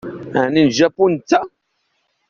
Ɛni n Japu netta?